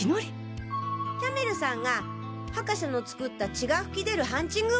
キャメルさんが博士の作った血がふき出るハンチング